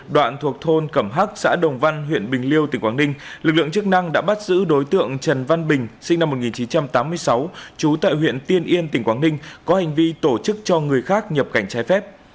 đoạn thuộc thôn cẩm hắc xã đồng văn huyện bình liêu tỉnh quảng ninh lực lượng chức năng đã bắt giữ đối tượng trần văn bình sinh năm một nghìn chín trăm tám mươi sáu trú tại huyện tiên yên tỉnh quảng ninh có hành vi tổ chức cho người khác nhập cảnh trái phép